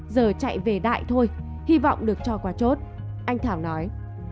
giờ chạy về đại thôi hy vọng được cho qua chốt anh thảo nói